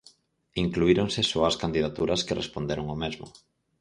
Incluíronse só as candidaturas que responderon ao mesmo.